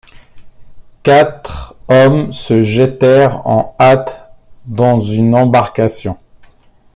Quatre hommes se jetèrent en hâte dans une embarcation.